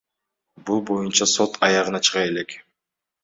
Бул боюнча сот аягына чыга элек.